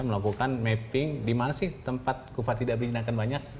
melakukan mapping di mana sih tempat kufa tidak berizin akan banyak